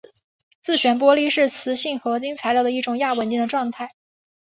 自旋玻璃是磁性合金材料的一种亚稳定的状态。